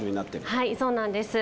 はいそうなんです。